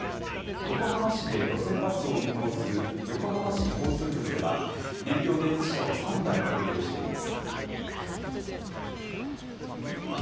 横浜市で路線バスを運行する横浜市交通局では、燃料電池車を３台保有しています。